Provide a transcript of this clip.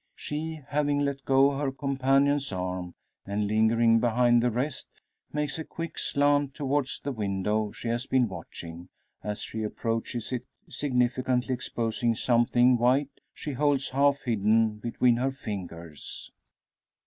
She, having let go her companion's arm, and lingering behind the rest, makes a quick slant towards the window she has been watching; as she approaches it significantly exposing something white, she holds half hidden between her fingers!